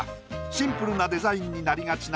シンプルなデザインになりがちな